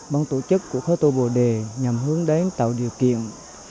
bằng tổ chức của khóa tu bồ đề nhằm hướng đáng tạo điều kiện